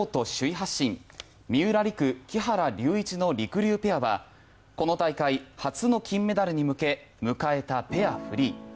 発進三浦璃来・木原龍一のりくりゅうペアはこの大会、初の金メダルに向け迎えたペアフリー。